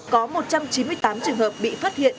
có một trăm chín mươi tám trường hợp bị phát hiện